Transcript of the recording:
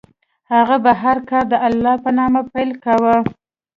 هغه به هر کار د الله په نوم پیل کاوه.